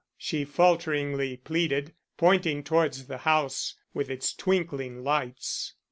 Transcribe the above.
she falteringly pleaded, pointing towards the house with its twinkling lights.